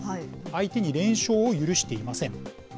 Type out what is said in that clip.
相手に連勝を許していません。